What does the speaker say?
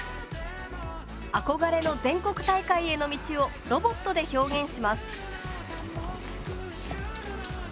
憧れの全国大会への道をロボットで表現します。